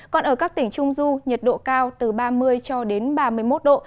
còn ở các tỉnh trung du nhiệt độ cao từ ba mươi cho đến ba mươi một độ